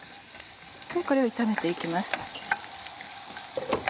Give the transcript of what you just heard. これを炒めて行きます。